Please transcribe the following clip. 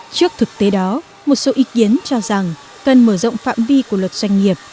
trước thực tế đó một số ý kiến cho rằng cần mở rộng phạm vi của luật doanh nghiệp